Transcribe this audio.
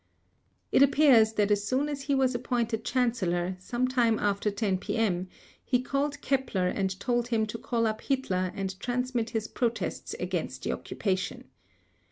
It appears that as soon as he was appointed Chancellor, some time after 10 p.m., he called Keppler and told him to call up Hitler and transmit his protests against the occupation.